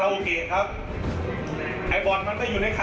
เพราะว่าขาวมันดันอาณาที่ไหนอ่ะ